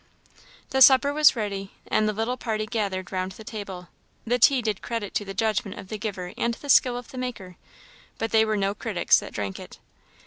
The supper was ready, and the little party gathered round the table. The tea did credit to the judgment of the giver and the skill of the maker, but they were no critics that drank it.